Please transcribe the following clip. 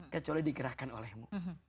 kecuali dikerahkan oleh mu